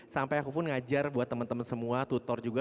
sampai aku pun ngajar buat temen temen semua tutor juga